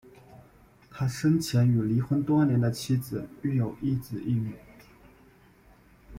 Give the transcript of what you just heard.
他生前与离婚多年的前妻育有一子一女。